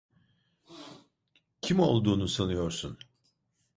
Kim olduğunu sanıyorsun?